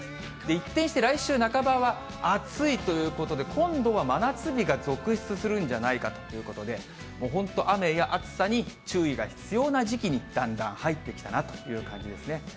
一転して、来週半ばは暑いということで、今度は真夏日が続出するんじゃないかということで、もう本当、雨や暑さに注意が必要な時期にだんだん入ってきたなという感じですね。